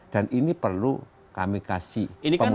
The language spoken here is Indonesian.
dan ini perlu kami kasih pemutus